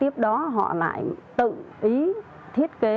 phải tự ý thiết kế